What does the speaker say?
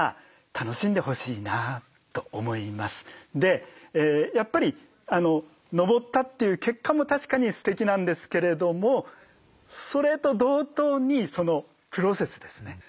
でやっぱり登ったという結果も確かにすてきなんですけれどもそれと同等にそのプロセスですね